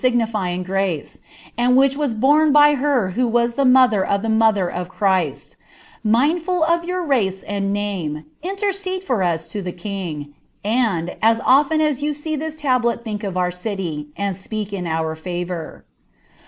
319 iigniiying grace, and which was borne by her who was the mother of the mother of Christ, — mindful of your race and name, intercede for us to the king ; and, as often as you see this tablet think of our city, and fpeak in our fitvour."